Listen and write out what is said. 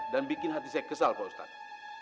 dan bikin hati saya kesal pak ustadz